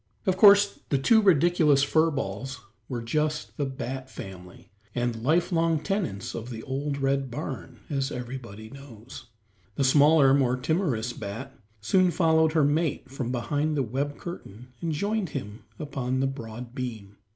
Of course the two ridiculous fur balls were just the bat family, and lifelong tenants of the old red barn, as everybody knows. The smaller, more timorous bat, soon followed her mate from behind the web curtain and joined him upon the broad beam.